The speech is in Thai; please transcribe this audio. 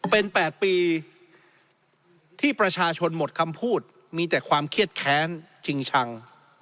เป็น๘ปีที่ประชาชนหมดคำพูดมีแต่ความเครียดแค้นชิงชัง